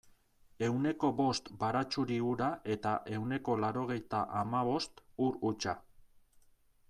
Ehuneko bost baratxuri ura eta ehuneko laurogeita hamabost ur hutsa.